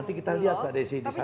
nanti kita lihat mbak desi di sana